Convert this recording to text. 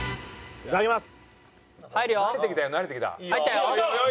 いただきます。